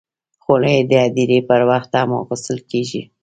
خولۍ د هدیرې پر وخت هم اغوستل کېږي.